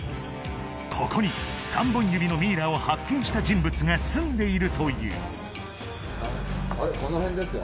ここに３本指のミイラを発見した人物が住んでいるというさああれこの辺ですよ